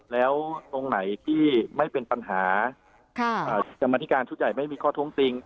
แล้วตรงไหนที่ไม่เป็นปัญหากรรมธิการชุดใหญ่ไม่มีข้อท้วงติง